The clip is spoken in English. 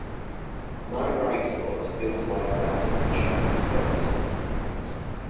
My right foot feels like that of a Chinese debutante.